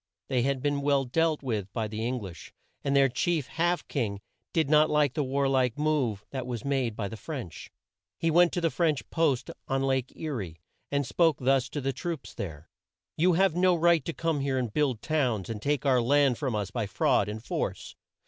They had been well dealt with by the Eng lish, and their chief, Half King did not like the war like move that was made by the French. He went to the French post on Lake E rie, and spoke thus to the troops there: "You have no right to come here and build towns, and take our land from us by fraud and force.